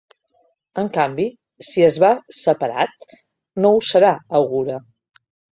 En canvi, si es va ‘separat’, no ho serà, augura.